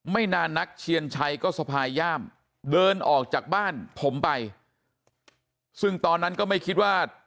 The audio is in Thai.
ไม่นานนักเชียนชัยก็สะพายย่ามเดินออกจากบ้านผมไปซึ่งตอนนั้นก็ไม่คิดว่า